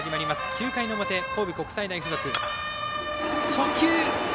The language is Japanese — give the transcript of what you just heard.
９回の表、神戸国際大付属。